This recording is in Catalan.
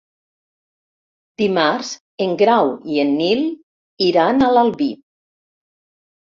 Dimarts en Grau i en Nil iran a l'Albi.